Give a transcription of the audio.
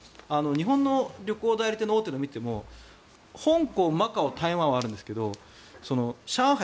日本の旅行代理店の大手を見ても香港、マカオ、台湾はあるんですけど上海